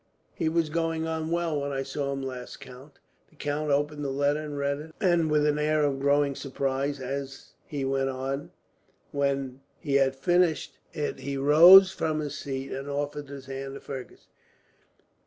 "He was going on well when I saw him last, count." The count opened the letter and read it, with an air of growing surprise as he went on. When he had finished it, he rose from his seat and offered his hand to Fergus.